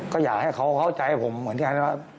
ก็อยากให้เขาเข้าใจผมเหมือนกันว่า